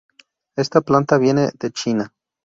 Esta planta viene de China.